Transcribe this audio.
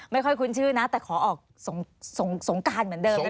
ไม่ค่อยคุ้นชื่อนะแต่ขอออกสงการเหมือนเดิมนะพี่